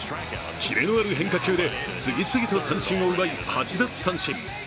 切れのある変化球で次々と三振を奪い８奪三振。